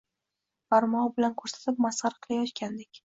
Barmog‘i bilan ko‘rsatib masxara qilayotgandek